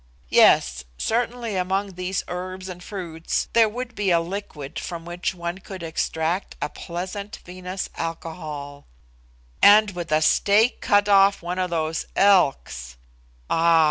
Yes; certainly among these herbs and fruits there would be a liquid from which one could extract a pleasant vinous alcohol; and with a steak cut off one of those elks (ah!